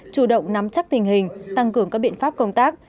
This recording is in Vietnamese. chủ động nắm chắc tình hình tăng cường các biện pháp công tác